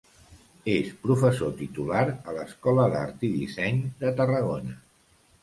És professor titular a l'Escola d'Art i Disseny de Tarragona.